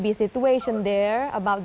bisakah kamu mengambil